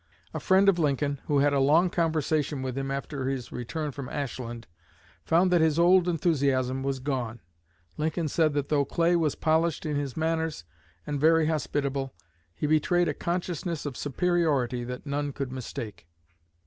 A friend of Lincoln, who had a long conversation with him after his return from Ashland, found that his old enthusiasm was gone. Lincoln said that though Clay was polished in his manners, and very hospitable, he betrayed a consciousness of superiority that none could mistake."